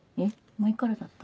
前からだった？